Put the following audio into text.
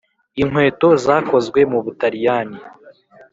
inkweto zakozwe mu butaliyani.